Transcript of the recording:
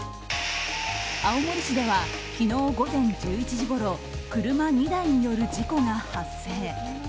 青森市では昨日午前１１時ごろ車２台による事故が発生。